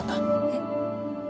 えっ？